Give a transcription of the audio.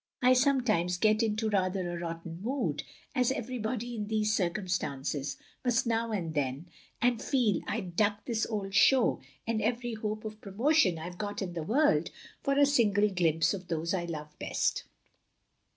. I some times get into rather a rotten mood, as everybody in these circumstances must now and then, and feel I* d chuck this old show and every hope of promo tion I 've got in the world, for a single glimpse of those I love best.